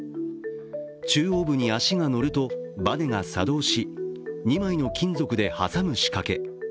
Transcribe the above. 中央部に足が乗るとバネが作動し、２枚の金属で挟む仕掛け。